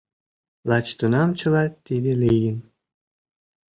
Лач тунам чыла тиде лийын.